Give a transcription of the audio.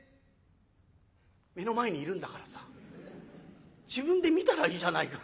「目の前にいるんだからさ自分で見たらいいじゃないか」。